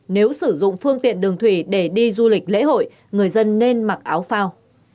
nếu sử dụng phương tiện đường thủy để đi du lịch lễ hội người dân nên mặc áo phao